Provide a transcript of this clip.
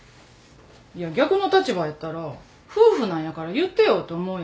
いや逆の立場やったら夫婦なんやから言ってよって思うやろ？